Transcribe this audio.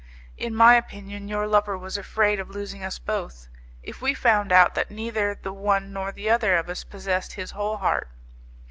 In my opinion your lover was afraid of losing us both, if we found out that neither the one nor the other of us possessed his whole heart.